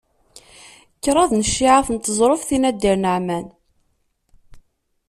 Kraḍ n cciεat n teẓruft i Nadir Naɛman.